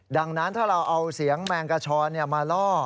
ดังนั้นถ้าเราเอาเสียงแมงกระชอนมาล่อ